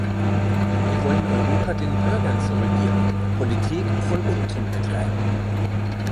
Wir wollen Europa den Bürgern zurückgeben, Politik von unten betreiben.